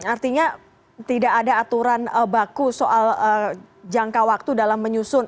artinya tidak ada aturan baku soal jangka waktu dalam menyusun